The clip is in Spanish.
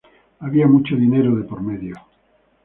Había mucho dinero de por medio.